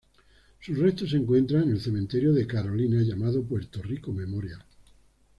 Sus restos se encuentran en el cementerio de Carolina llamado Puerto Rico Memorial.